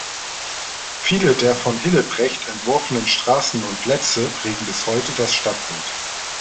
Viele der von Hillebrecht entworfenen Straßen und Plätze prägen bis heute das Stadtbild.